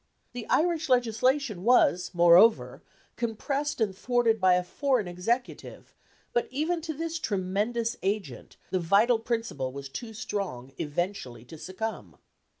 The Irish Legislation was, moreover, compressed and thwarted by a foreign executive; but even to this tremendous agent the vital principle was too strong eventually to succumb.